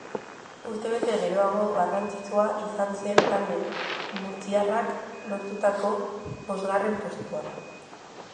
Urtebete geroago, garrantzitsua izan zen talde murtziarrak lortutako bosgarren postuan.